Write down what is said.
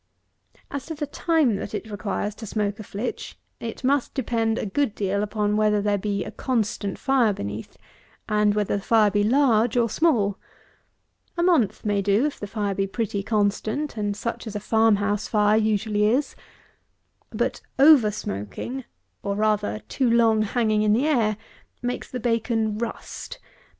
As to the time that it requires to smoke a flitch, it must depend a good deal upon whether there be a constant fire beneath, and whether the fire be large or small. A month may do, if the fire be pretty constant, and such as a farm house fire usually is. But over smoking, or, rather, too long hanging in the air, makes the bacon rust.